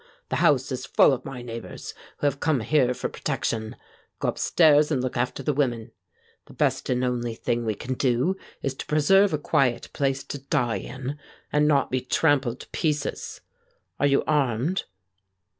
The house is full of my neighbors, who have come here for protection. Go upstairs and look after the women. The best and only thing we can do is to preserve a quiet place to die in, and not be trampled to pieces. Are you armed?"